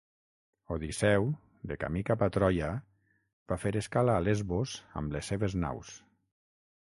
Odisseu, de camí cap a Troia va fer escala a Lesbos amb les seves naus.